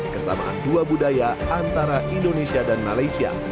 kesamaan dua budaya antara indonesia dan malaysia